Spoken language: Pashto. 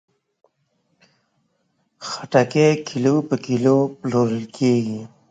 خټکی کیلو په کیلو پلورل کېږي.